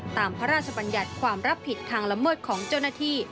พระราชบัญญัติความรับผิดทางละเมิดของเจ้าหน้าที่